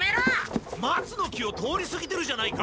松の木を通りすぎてるじゃないか！